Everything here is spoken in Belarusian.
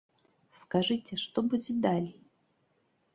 Скажыце, што будзе далей!